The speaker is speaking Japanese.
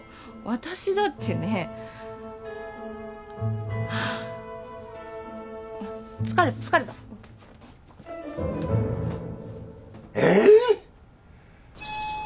私だってねはあっ疲れた疲れたえっ？